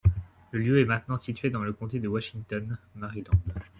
Le lieu est maintenant situé dans le comté de Washington, Maryland.